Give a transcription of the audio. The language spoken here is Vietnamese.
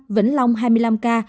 vĩnh long hai mươi năm ca